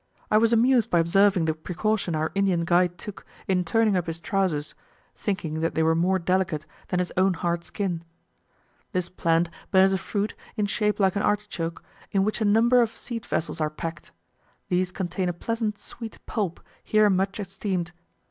I was amused by observing the precaution our Indian guide took, in turning up his trousers, thinking that they were more delicate than his own hard skin. This plant bears a fruit, in shape like an artichoke, in which a number of seed vessels are packed: these contain a pleasant sweet pulp, here much esteemed.